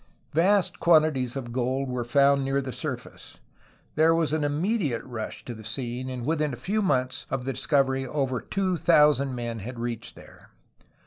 Vast quantities of gold were found near the surface. There was an immediate rush to the scene, and within a few months of the discovery over two thousand men had reached there.